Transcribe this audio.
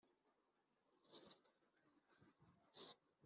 igihe umubiri wanjye wari ufite intege nke